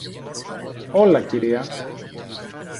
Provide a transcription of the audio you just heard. Όλα, Κυρία!